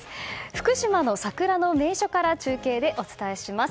福島の桜の名所から中継でお伝えします。